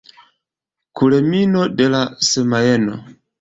Kulmino de la semajno.